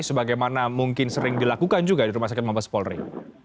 sebagaimana mungkin sering dilakukan juga di rumah sakit mabes polri